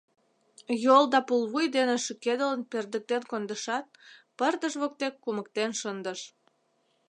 Йол да пулвуй дене шӱкедылын пӧрдыктен кондышат, пырдыж воктек кумыктен шындыш.